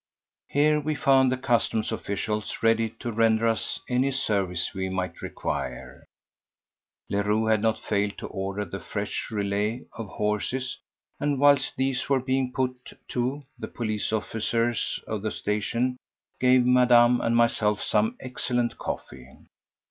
Here we found the customs officials ready to render us any service we might require. Leroux had not failed to order the fresh relay of horses, and whilst these were being put to, the polite officers of the station gave Madame and myself some excellent coffee.